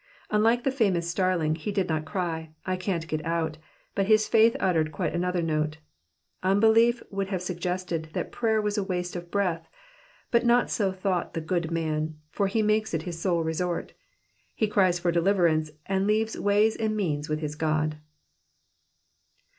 Unlike the famous starling, he did not cry, I can't get out,*' but his faith uttered quite another note. Unbelief would have suggested Uhat prayer was a waste of breath, but not so thought the good man, for he makes it his sole resort. He cries for deliverance and leaves ways and means with his God.